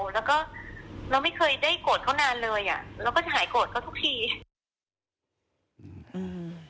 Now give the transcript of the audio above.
แล้วก็เราไม่เคยได้โกรธเขานานเลยอ่ะเราก็จะหายโกรธเขาทุกทีอืม